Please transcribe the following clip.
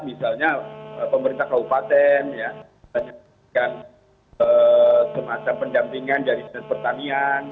misalnya pemerintah kabupaten semacam pendampingan dari petanian